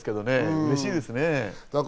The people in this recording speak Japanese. うれしいですね。